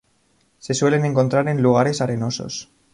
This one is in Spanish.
Se suelen encontrar en lugares arenosos.